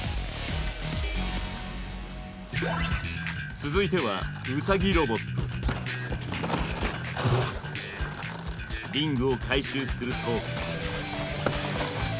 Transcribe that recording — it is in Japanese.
続いてはリングを回収すると。